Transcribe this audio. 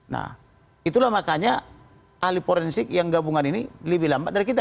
nah itulah makanya ahli forensik yang gabungan ini lebih lambat dari kita